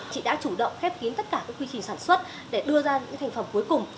chị đã chủ động khép kín tất cả quy trình sản xuất để đưa ra những thành phẩm cuối cùng